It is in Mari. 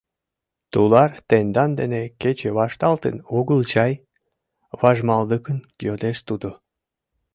— Тулар, тендан дене кече вашталтын огыл чай? — важмалдыкын йодеш тудо.